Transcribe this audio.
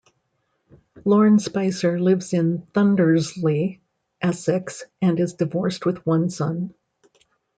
Lorne Spicer lives in Thundersley, Essex, and is divorced with one son.